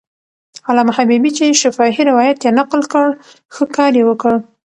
علامه حبیبي چې شفاهي روایت یې نقل کړ، ښه کار یې وکړ.